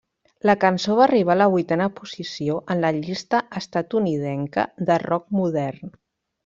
La cançó va arribar a la vuitena posició en la llista estatunidenca de rock modern.